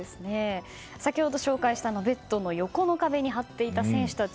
先ほど紹介した、ベッドの横の壁に貼っていた選手たち。